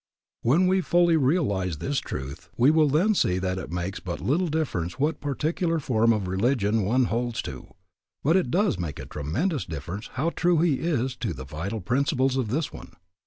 When we fully realize this truth we will then see that it makes but little difference what particular form of religion one holds to, but it does make a tremendous difference how true he is to the vital principles of this one.